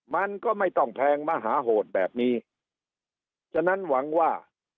มันก็ไม่ต้องแพงมหาโหดแบบนี้ฉะนั้นหวังว่า